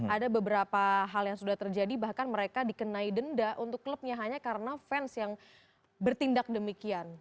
ada beberapa hal yang sudah terjadi bahkan mereka dikenai denda untuk klubnya hanya karena fans yang bertindak demikian